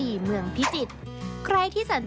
โหเม็ดบัวอบ